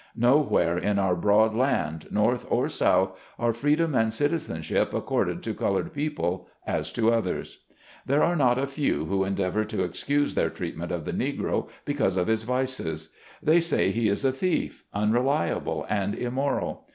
Nowhere in our broad land — North or South — are freedom and citizenship accorded to colored people as to others. There are not a few who endeavor to excuse their treatment of the Negro, because of his vices. They 138 SLAVE CABIN TO PULPIT. say he is a thief, unreliable and immoral.